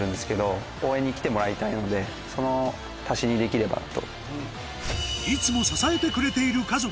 その足しにできればと。